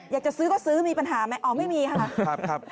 อยากจะซื้อก็ซื้อมีปัญหาไหมอ๋อไม่มีค่ะ